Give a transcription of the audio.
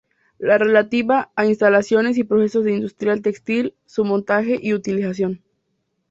La relativa a instalaciones y procesos de industria textil, su montaje y utilización.